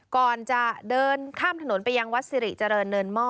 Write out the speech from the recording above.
ก่อนจะเดินข้ามถนนไปยังวัดสิริเจริญเนินหม้อ